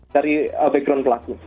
dari background pelaku